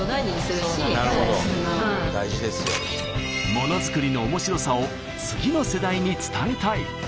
ものづくりの面白さを次の世代に伝えたい。